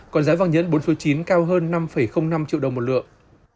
còn giá vàng nhẫn bốn số chín cao hơn năm năm triệu đồng một lượng